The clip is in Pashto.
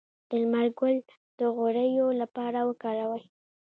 د لمر ګل د غوړیو لپاره وکاروئ